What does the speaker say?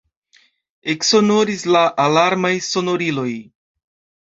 Eksonoris la alarmaj sonoriloj.